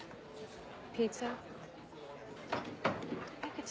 ピザ。